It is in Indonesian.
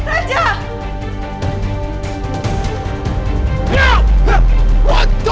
aku harus tolong dia